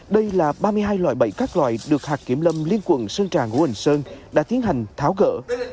đây là ba mươi hai loại bẫy các loại được hạt kiểm lâm liên quận sơn trà ngũ hành sơn đã tiến hành tháo gỡ